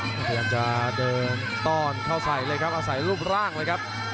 พยายามจะเดินต้อนเข้าใส่เลยครับอาศัยรูปร่างเลยครับ